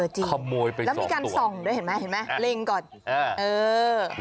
จริงและมีการส่องด้วยเห็นไหมล้นก่อนเออขโมยไป๒ตัว